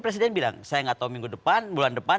presiden bilang saya nggak tahu minggu depan bulan depan